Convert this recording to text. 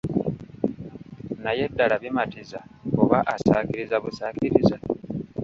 Naye ddala bimatiza oba asaakiriza busaakiriza?